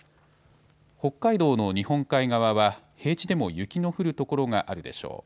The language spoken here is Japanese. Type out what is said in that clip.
北海道の日本海側は平地でも雪の降る所があるでしょう。